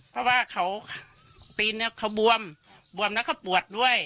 เพราะว่าเขาตีนเนี่ยเขาบวมบวมแล้วเขาปวดด้วย